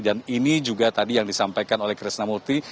dan ini juga tadi yang disampaikan oleh krisnamurti